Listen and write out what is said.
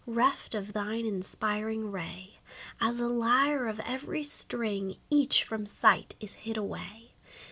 Reft of thine inspiring ray. As a lyre of every string, Each from sight is hid away.